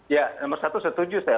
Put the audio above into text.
ya nomor satu setuju saya